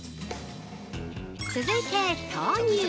続いて豆乳！